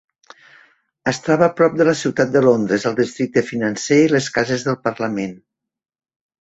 Es troba prop de la ciutat de Londres, el districte financer i les cases del Parlament.